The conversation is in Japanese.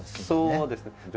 そうですね。